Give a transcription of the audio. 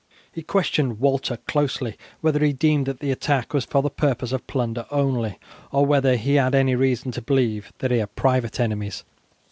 He questioned Walter closely whether he deemed that the attack was for the purpose of plunder only, or whether he had any reason to believe that he had private enemies.